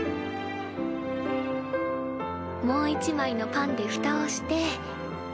もう一枚のパンでふたをして。